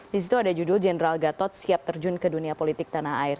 di situ ada judul general gatot siap terjun ke dunia politik tanah air